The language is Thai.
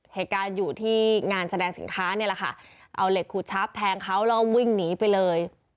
เหตุการณ์อยู่ที่งานแสดงสินค้านี่แหละค่ะเอาเหล็กขูดชับแทงเขาแล้วก็วิ่งหนีไปเลย